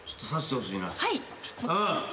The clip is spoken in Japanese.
はい。